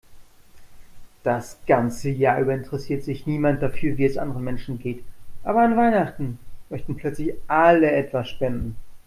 Das ganze Jahr über interessiert sich niemand dafür, wie es anderen Menschen geht, aber an Weihnachten möchten plötzlich alle etwas spenden.